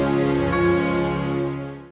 jangan lupa like share dan subscribe ya